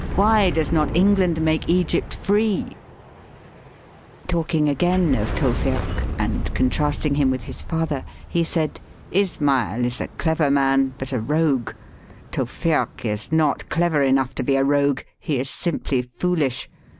Why does not England make Egypt free ?'' Talking again of Tewfik, and contrasting him with his father, he said, Ismail is a clever man, but a rogue. Tewfik is not clever enough to be a rogue : he is simply foolish.